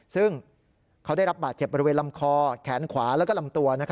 ซึ่งเขาได้รับบาดเจ็บบริเวณลำคอแขนขวาแล้วก็ลำตัว